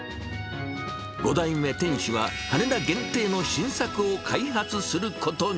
５代目店主は、羽田限定の新作を開発することに。